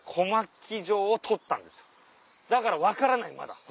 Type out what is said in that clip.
だから分からないまだ。